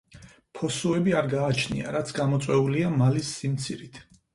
ფოსოები არ გააჩნია, რაც გამოწვეულია მალის სიმცირით.